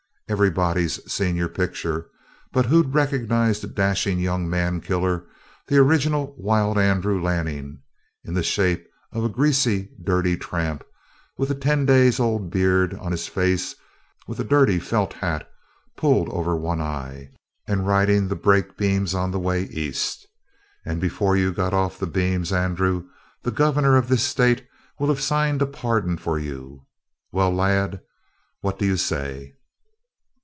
Everybody's seen your picture. But who'd recognize the dashing young man killer, the original wild Andrew Lanning, in the shape of a greasy, dirty tramp, with a ten days old beard on his face, with a dirty felt hat pulled over one eye, and riding the brake beams on the way East? And before you got off the beams, Andrew, the governor of this State will have signed a pardon for you. Well, lad, what do you say?"